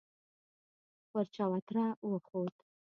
پر چوتره وخوت.